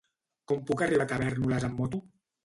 Com puc arribar a Tavèrnoles amb moto?